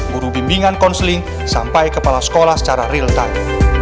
guru bimbingan konseling sampai kepala sekolah secara real time